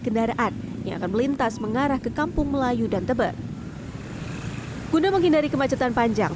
kendaraan yang akan melintas mengarah ke kampung melayu dan tebet guna menghindari kemacetan panjang